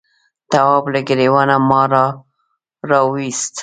تواب له گرېوانه مار راوایست.